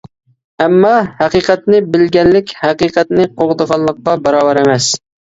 ئەمما، ھەقىقەتنى بىلگەنلىك ھەقىقەتنى قوغدىغانلىققا باراۋەر ئەمەس.